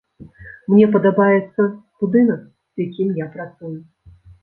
Мне падабаецца будынак, з якім я працую.